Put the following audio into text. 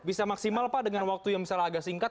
bisa maksimal pak dengan waktu yang misalnya agak singkat